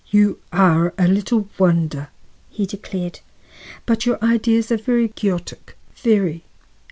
"You are a little wonder," he declared. "But your ideas are very quixotic, very.